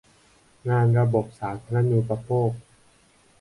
งานระบบสาธารณูปโภค